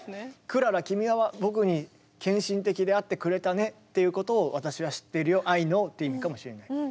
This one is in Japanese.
クララ君は僕に献身的であってくれたねっていうことを私は知っているよ「Ｉｋｎｏｗ」って意味かもしれない。